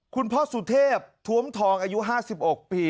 คุณพ่อสุเทพท้วมทองอายุ๕๖ปี